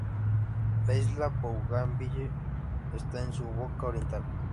La isla Bougainville está en su boca oriental.